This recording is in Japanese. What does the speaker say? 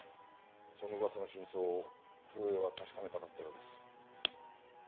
その噂の真相を古江は確かめたかったようです。